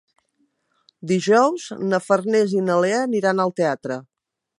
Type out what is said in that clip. Dijous na Farners i na Lea aniran al teatre.